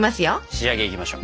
仕上げいきましょう。